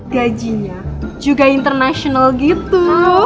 gajinya juga internasional gitu